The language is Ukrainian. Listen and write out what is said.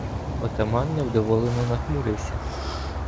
Отаман невдоволено нахмурився.